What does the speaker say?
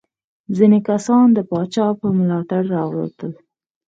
ځینې کسان د پاچا په ملاتړ راووتل.